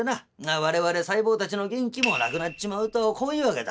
我々細胞たちの元気もなくなっちまうとこういうわけだ」。